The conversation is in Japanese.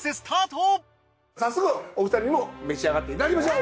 早速お二人にも召し上がっていただきましょう。